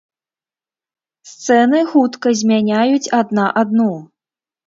Сцэны хутка змяняюць адна адну.